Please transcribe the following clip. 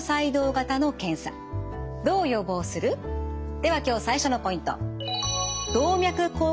では今日最初のポイント。